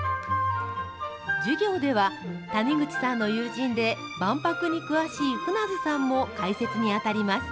授業では、谷口さんの友人で、万博に詳しい舩津さんも解説に当たります。